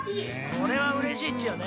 これはうれしいっちよね。